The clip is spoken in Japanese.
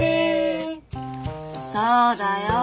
そうだよ。